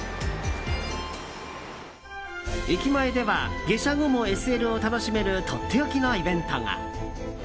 駅前では下車後もＳＬを楽しめるとっておきのイベントが。